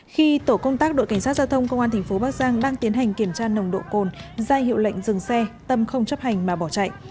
khi tổ công tác đội cảnh sát giao thông công an tp bắc giang đang tiến hành kiểm tra nồng độ cồn ra hiệu lệnh dừng xe tâm không chấp hành mà bỏ chạy